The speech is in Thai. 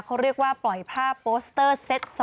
เขาเรียกว่าปล่อยภาพโปสเตอร์เซ็ต๒